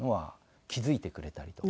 気付いてくれたりとか。